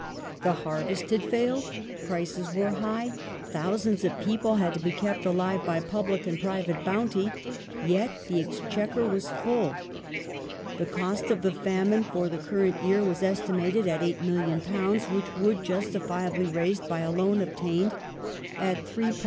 The harvest had failed ; prices were high ; thousands of people had to be kept alive by public and private bounty, yet the Exchequer was full.^ The cost of the famine for the current yeai was esti mated at £8,000,000 which Wood justifiably raised by a loan obtained at £3 7s.